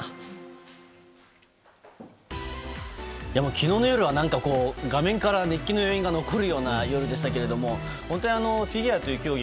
昨日の夜は画面から熱気の余韻が残るような夜でしたけど本当にフィギュアという競技